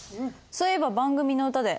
そういえば番組の歌で。